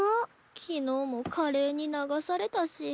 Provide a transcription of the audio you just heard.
昨日も華麗に流されたし。